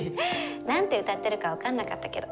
何て歌ってるか分かんなかったけど。